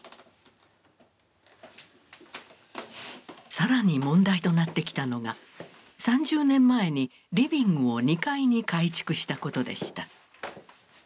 更に問題となってきたのが３０年前にリビングを２階に改築したことでした。